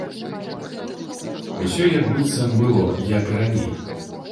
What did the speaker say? Усё як быццам было, як і раней.